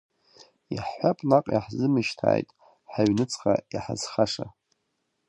Иаҳҳәап наҟ иаҳзымышьҭааит, ҳаҩныҵҟа иҳазхаша.